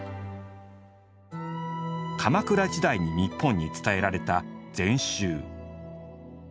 鎌倉時代に日本に伝えられた禅宗。